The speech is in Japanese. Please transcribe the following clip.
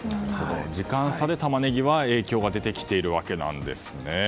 時間差でタマネギは影響が出てきているんですね。